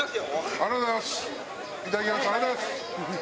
ありがとうございます。